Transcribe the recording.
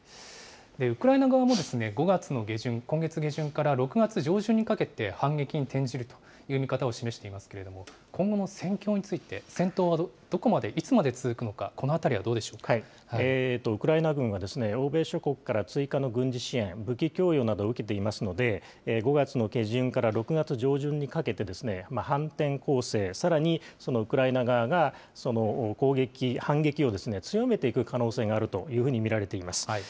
ウクライナ側も５月の下旬、今月下旬から６月上旬にかけて、反撃に転じるという見方を示していますけれども、今後の戦況について、戦闘はどこまで、いつまで続くのか、このあたりはどうでしウクライナ軍は欧米諸国から追加の軍事支援、武器供与などを受けていますので、５月の下旬から６月上旬にかけて、反転攻勢、さらにウクライナ側が攻撃、反撃を強めていく可能性があるというふうに見られています。